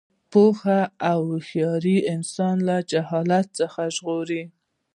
پوهه او هوښیاري انسان له جهالت څخه ژغوري.